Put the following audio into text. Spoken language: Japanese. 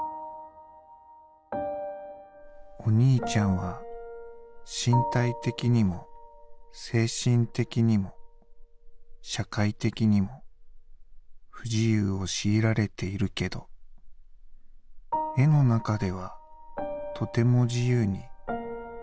「お兄ちゃんは身体的にも精神的にも社会的にも不自由をしいられているけど絵の中ではとても自由にとてものびのびと生きていると思う。